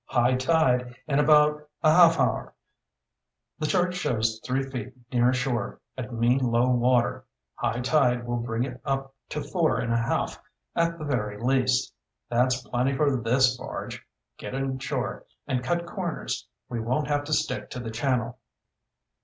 "High tide in about a half hour. The chart shows three feet near shore at mean low water. High tide will bring it up to four and a half at the very least. That's plenty for this barge. Get inshore and cut corners. We won't have to stick to the channel."